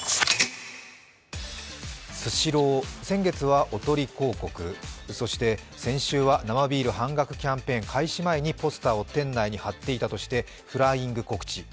スシロー、先月はおとり広告、そして先週は生ビール半額キャンペーン開始前にポスターを店内に貼っていたとしてフライング告知。